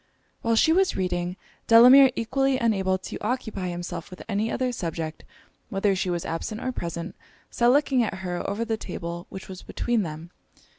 While she was reading, Delamere, equally unable to occupy himself with any other object whether she was absent or present, sat looking at her over the table which was between them.